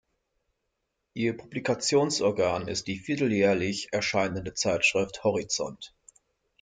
Ihr Publikationsorgan ist die vierteljährlich erscheinende Zeitschrift “horizont”.